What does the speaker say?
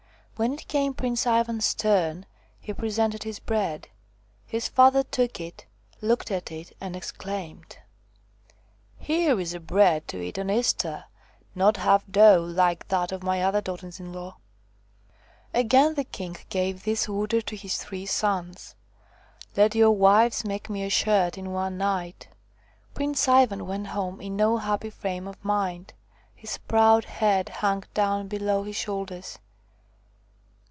When it came Prince Ivan's turn he presented his bread. His father took it, looked at it, and exclaimed : "Here is bread to eat on Easter not half dough like that of my other daughters in law !' THE FROG QUEEN 119 Again the king gave this order to his three sons :" Let your wives make me a shirt in one night." Prince Ivan went home in no happy frame of mind; his proud head hung down below his shoulders.